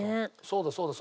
そうだそうだ。